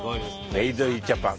メイドインジャパン。